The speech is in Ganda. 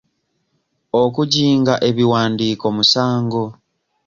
Okujinga ebiwandiiko musango.